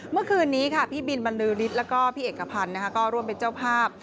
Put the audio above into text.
เมื่อคืนนี้พี่บิลบันลูริสต์และพี่เอกพันธ์ร่วมเป็นเจ้าภาพ